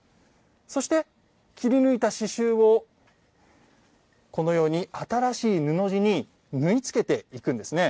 そして、切り抜いた刺しゅうをこのように新しい布地に縫い付けていくんですね。